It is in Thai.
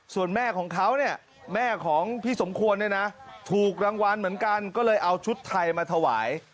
ส่วนแม่ของเขาเนี่ยแม่ของพี่สมควรเนี่ยนะถูกรางวัลเหมือนกันก็เลยเอาชุดไทยมาถวาย